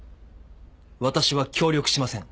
私は協力しません。